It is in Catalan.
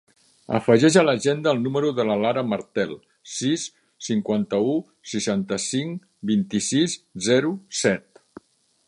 Afegeix a l'agenda el número de la Lara Martel: sis, cinquanta-u, seixanta-cinc, vint-i-sis, zero, set.